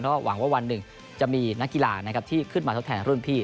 เพราะหวังว่าวันหนึ่งจะมีนักกีฬาที่ขึ้นมาทดแทนรุ่นพี่